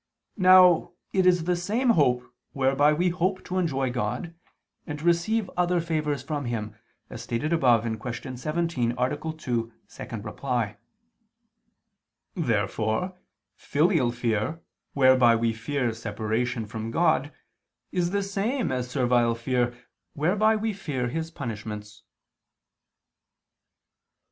Now it is the same hope whereby we hope to enjoy God, and to receive other favors from Him, as stated above (Q. 17, A. 2, ad 2). Therefore filial fear, whereby we fear separation from God, is the same as servile fear whereby we fear His punishments.